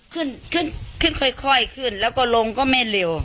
ขึ้นขึ้นขึ้นค่อยขึ้นแล้วก็ลงก็ไม่เร็ว